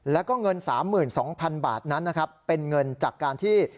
แล้วก็เงิน๓๒๐๐๐บาทนั้นนะครับเป็นเงินจากการที่